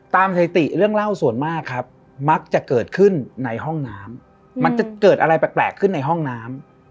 สถิติเรื่องเล่าส่วนมากครับมักจะเกิดขึ้นในห้องน้ำมันจะเกิดอะไรแปลกขึ้นในห้องน้ำ